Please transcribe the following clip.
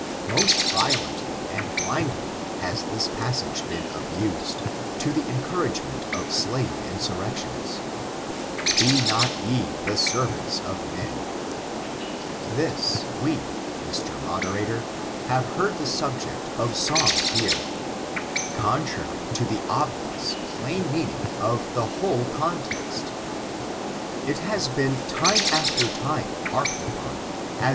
Most violently and Uindly has this passage been abused, to the encouragement of slave insurrections; "be not ye the servants of men"— this, we, Mr. Moderator, have heard the subject of song bore; contrary to the obvious, plain meaning of the whole context It has been time after time harped upon, as ^^»^^^*^»^t^t0^f^0^f^*^^^ ON ABOLmONISM.